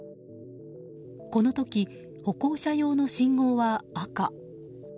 この時、歩行者用の信号は赤。